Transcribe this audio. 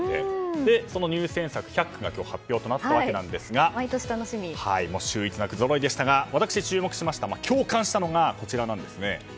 で、その入選作１００句が発表となったわけですが秀逸な句ぞろいでしたが私、注目して共感したのがこちらなんです。